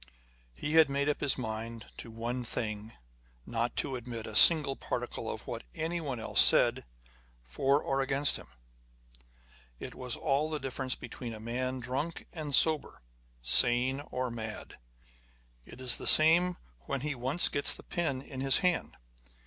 He had made up his mind to one thing â€" not to admit a single particle of what anyone else said for or against him. It was all the difference between a man drunk and sober, sane or mad. It is the same when ho once gets the pen in his hand.